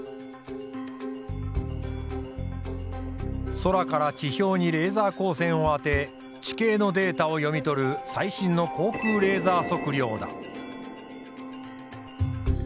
空から地表にレーザー光線をあて地形のデータを読み取る最新の航空レーザー測量だ。